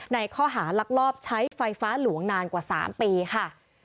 ในข้อหาลักลอบใช้ไฟฟ้าหลวงนานกว่า๓ปีค่ะ